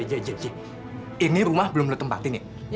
eje eje ini rumah belum lo tempatin ya